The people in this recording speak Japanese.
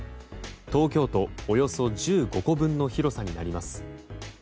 東京都およそ１５個分の広さになります。